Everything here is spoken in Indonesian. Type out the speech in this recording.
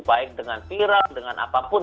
baik dengan viral dengan apapun